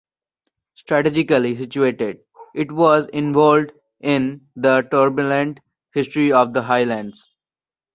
Strategically situated, it was involved in the turbulent history of the Highlands.